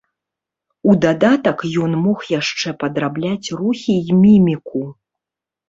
У дадатак ён мог яшчэ падрабляць рухі і міміку.